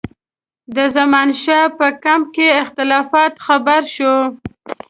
د زمانشاه په کمپ کې اختلافاتو خبر شو.